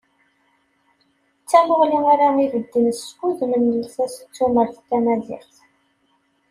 D tamuɣli ara ibedden s wudem n llsas d tumast tamaziɣt.